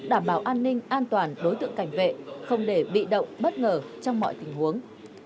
đảm bảo an ninh an toàn đối tượng cảnh vệ không để bị động bất ngờ trong mọi tình huống